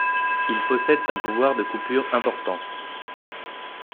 Ils possèdent un pouvoir de coupure important.